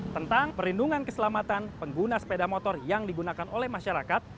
tentang perlindungan keselamatan pengguna sepeda motor yang digunakan oleh masyarakat